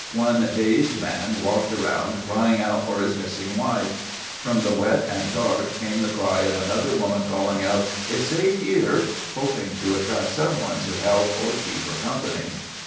One dazed man walked around crying out for his missing wife. From the wet and dark came the cry of another woman calling out, "It's safe here!"—hoping to attract someone to help or keep her company.